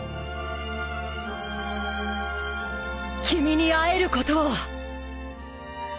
君に会えることを。